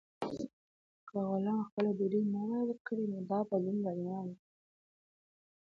که غلام خپله ډوډۍ نه وای ورکړې، نو دا بدلون به نه و.